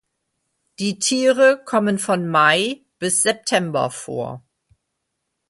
Die Tiere kommen von Mai bis September vor.